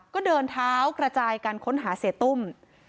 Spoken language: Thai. ก็เดินเท้ากระจายการค้นหาเสียตุ้ม